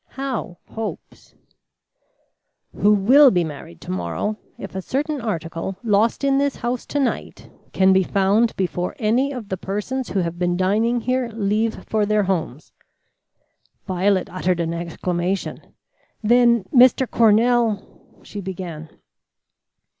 "How, hopes?" "Who will be married to morrow, if a certain article lost in this house to night can be found before any of the persons who have been dining here leave for their homes." Violet uttered an exclamation. "Then, Mr. Cornell " she began.